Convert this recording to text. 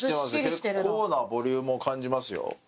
結構なボリュームを感じますよ。